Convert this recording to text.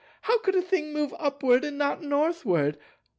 How could a thing move Upward, and not Northward?